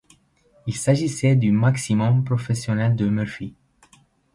Il s'agissait du maximum professionnel de Murphy.